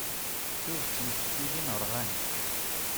Tuget n teftilin rɣant.